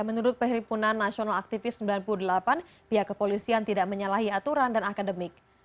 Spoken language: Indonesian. menurut perhimpunan nasional aktivis sembilan puluh delapan pihak kepolisian tidak menyalahi aturan dan akademik